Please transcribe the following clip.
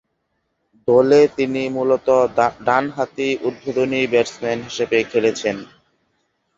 দলে তিনি মূলতঃ ডানহাতি উদ্বোধনী ব্যাটসম্যান হিসেবে খেলেছেন।